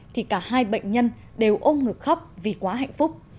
thì cả hai bệnh nhân đều ôm ngược khóc vì quá hạnh phúc